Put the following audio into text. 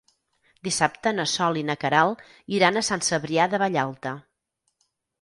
Dissabte na Sol i na Queralt iran a Sant Cebrià de Vallalta.